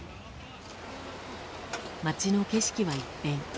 街の景色は一変。